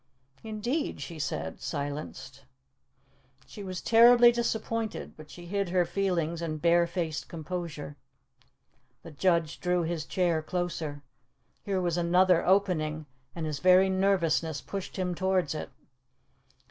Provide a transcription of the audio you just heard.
"Indeed?" she said, silenced. She was terribly disappointed, but she hid her feelings in barefaced composure. The judge drew his chair closer. Here was another opening, and his very nervousness pushed him towards it.